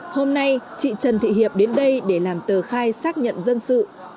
hôm nay chị trần thị hiệp đến đây để làm tờ khai xác nhận dân sự